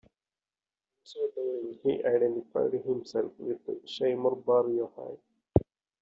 In so doing, he identified himself with Shimon Bar Yohai.